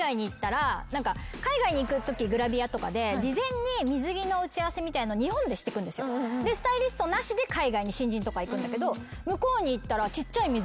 海外に行くときグラビアとかで事前に水着の打ち合わせみたいの日本でしてくんですよ。でスタイリストなしで海外に新人とか行くんだけど向こうに行ったら。